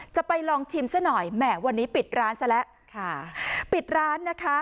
จะไปลองชิมซะหน่อยแหมวันนี้ปิดร้านซะแล้วค่ะปิดร้านนะคะ